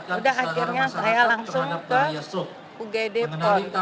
sudah akhirnya saya langsung ke ugd pun